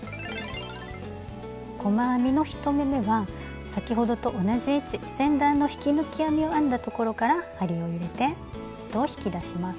細編みの１目めは先ほどと同じ位置前段の引き抜き編みを編んだところから針を入れて糸を引き出します。